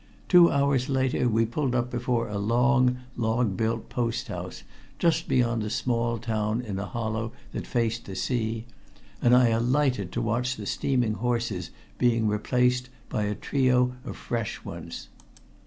Two hours later we pulled up before a long log built post house just beyond a small town in a hollow that faced the sea, and I alighted to watch the steaming horses being replaced by a trio of fresh ones.